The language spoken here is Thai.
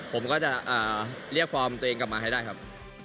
ผมก็จะเรียกฟอร์มตัวเองกลับมาให้ได้ครับ